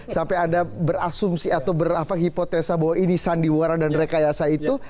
sampai anda berasumsi atau berhipotesa bahwa ini sandiwara dan rekayasa itu